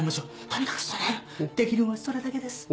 とにかく備えるできるんはそれだけです。